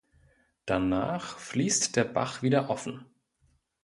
Danach fließt der Bach wieder offen.